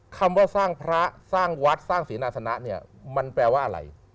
คำว่าสร้างพระสร้างวัดสร้างเสนาสนะเนี่ยมันแปลว่าอะไร